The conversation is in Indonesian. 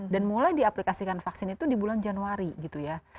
dan mulai diaplikasikan vaksin itu di bulan januari gitu ya